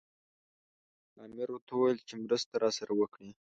امیر ورته وویل چې مرسته راسره وکړي.